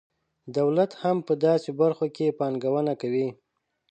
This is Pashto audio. دولت هم په داسې برخو کې پانګونه کوي.